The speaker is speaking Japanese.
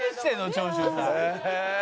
長州さん！